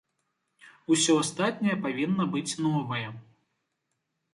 Усё астатняе павінна быць новае.